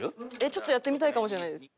ちょっとやってみたいかもしれないです。